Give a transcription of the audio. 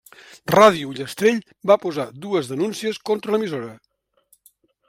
Ràdio Ullastrell va posar dues denúncies contra l'emissora.